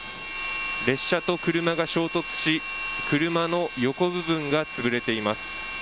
列車と車が衝突し車の横部分が潰れています。